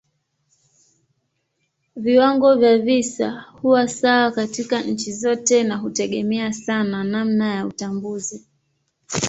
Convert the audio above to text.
Viwango vya visa huwa sawa katika nchi zote na hutegemea sana namna ya utambuzi.